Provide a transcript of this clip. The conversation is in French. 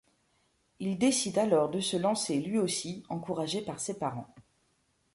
Il décide alors de se lancer lui aussi, encouragé par ses parents.